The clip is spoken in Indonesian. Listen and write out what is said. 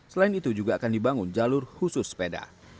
selain itu juga akan dibangun jalur khusus sepeda